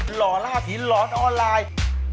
หล่อล่าผีหลอนออนไลน์